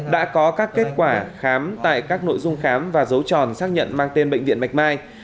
đã có các kết quả khám tại các nội dung khám và dấu tròn xác nhận mang tên bệnh viện bạch mai